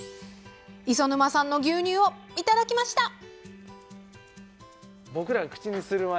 磯沼さんの牛乳をいただきました。